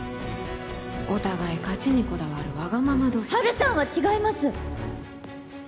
お互い勝ちにこだわるワガママ同士ハルさんは違います！